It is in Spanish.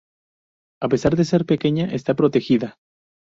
A pesar de ser pequeña, está protegida.